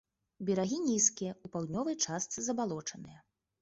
Берагі нізкія, у паўднёвай частцы забалочаныя.